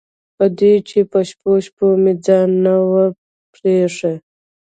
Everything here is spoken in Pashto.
په دې چې په شپو شپو مې ځان نه و پرېښی.